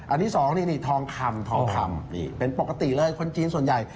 อันนี้สองทองคำเป็นปกติเลยคนจีนส่วนใหญ่